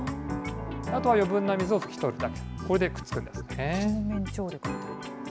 あとは余分な水を拭き取るだけ、これでくっつくんですね。